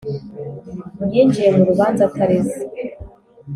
yinjiye mu rubanza atareze